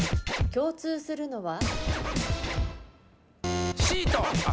共通するのは？